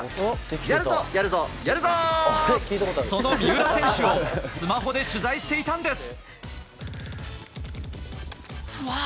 その三浦選手をスマホで取材していたんです。